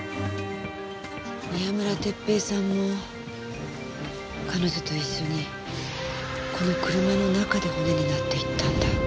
宮村哲平さんも彼女と一緒にこの車の中で骨になっていったんだ。